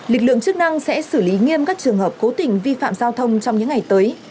lực lượng chức năng sẽ xử lý nghiêm các trường hợp cố tình vi phạm giao thông trong những ngày tới